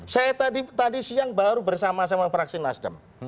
saya tadi siang baru bersama sama fraksi nasdem